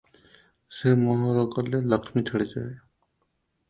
ସେ ମୋହର ଗଲେ ଲକ୍ଷ୍ମୀ ଛାଡ଼ିଯାଏ ।